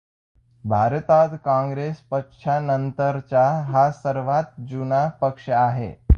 भारतात काँग्रेस पक्षानंतरचा हा सर्वात जुना पक्ष आहे.